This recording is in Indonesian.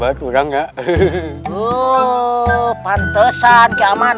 aduh sakti amin bener kiamat